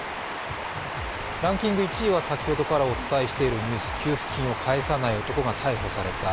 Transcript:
ランキング１位は先ほどからお伝えしているニュース給付金を返さない男が逮捕された。